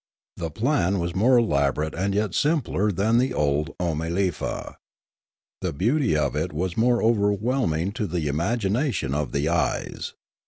The plan was more elaborate and yet simpler than the old Oomalefa. The beauty of it was more overwhelming to the imagination of the eyes.